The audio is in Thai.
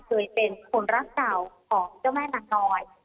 เกิดเป็นคนรักษาของเจ้าแม่นางนอน